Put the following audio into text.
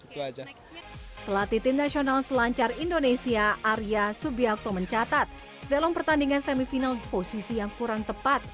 pelatih tim nasional selancar indonesia arya subiakto mencatat dalam pertandingan semifinal posisi yang kurang tepat